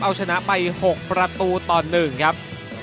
เอาชนะไป๖ประตูต่อ๑ครับ